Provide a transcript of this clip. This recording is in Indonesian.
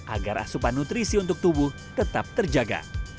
agar asupan nutrisi untuk tubuh tetap terjaga